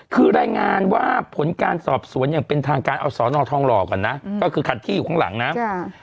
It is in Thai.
คือรายงานว่าผลการสอบสวนอย่างเป็นทางการเอาสอนอทองหล่อก่อนนะก็คือคันที่อยู่ข้างหลังนะ